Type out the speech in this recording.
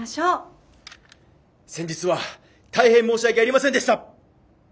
先日は大変申し訳ありませんでした！